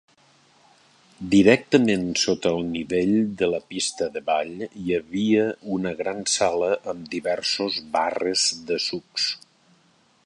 Directament sota el nivell de la pista de ball hi havia una gran sala amb diversos barres de sucs.